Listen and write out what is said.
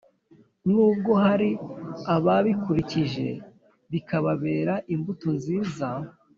N'ubwo hari ababikurikije bikababera imbuto nziza,